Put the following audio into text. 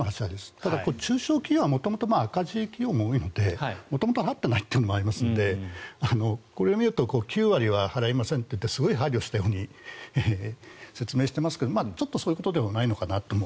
ただ、中小企業は元々、赤字企業が多いので元々入ってないというところもあるのでこれを見ると９割は払いませんとすごい配慮したように説明していますがそういうことではないのかなとも。